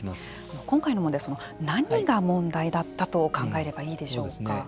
今回は何が問題だったと考えればいいでしょうか。